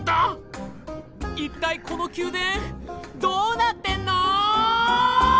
一体この宮殿どうなってんの！